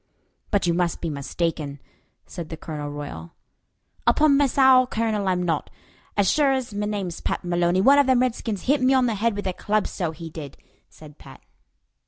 "But you must be mistaken," said Colonel Royal. "Upon me sowl, Colonel, I'm not. As shure ez me name's Pat Maloney, one of them redskins hit me on the head with a club, so he did," said Pat.